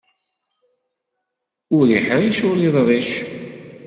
Ur iḥṛic, ur iḍric.